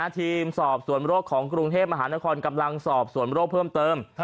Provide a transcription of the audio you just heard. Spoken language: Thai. ทีมสอบสวนโรคของกรุงเทพมหานครกำลังสอบส่วนโรคเพิ่มเติม